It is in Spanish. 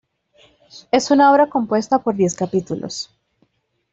Es una obra compuesta por diez capítulos.